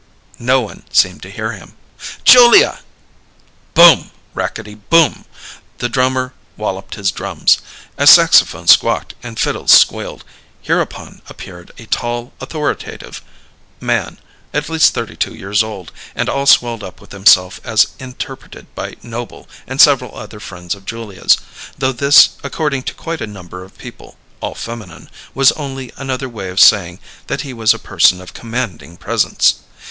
No one seemed to hear him. "Julia " Boom! Rackety Boom! The drummer walloped his drums; a saxophone squawked, and fiddles squealed. Hereupon appeared a tall authoritative man, at least thirty two years old, and all swelled up with himself, as interpreted by Noble and several other friends of Julia's though this, according to quite a number of people (all feminine) was only another way of saying that he was a person of commanding presence.